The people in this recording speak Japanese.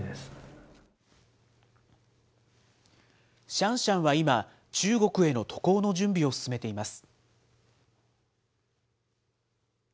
シャンシャンは今、中国への渡航の準備を進めています。